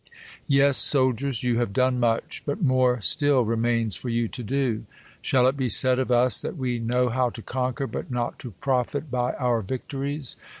; Yes, soldiers, you have done much ; but more still remains for you to do. Shall it be said of us, that we ! know how to conquer, but not to profit by our victo ries